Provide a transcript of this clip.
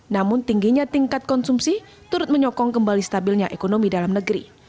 namun tingginya tingkat konsumsi turut menyokong kembali stabilnya ekonomi dalam negeri